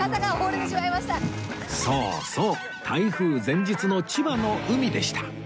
そうそう台風前日の千葉の海でした